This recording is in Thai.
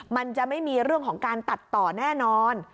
มันจะไม่มีเรื่องของการตัดต่อแน่นอน